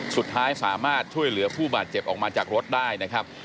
สุดท้ายสามารถช่วยเหลือผู้บาดเจ็บออกมาจากรถได้นะครับ